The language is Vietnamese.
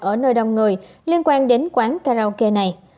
ở nơi đông người liên quan đến quán karaoke này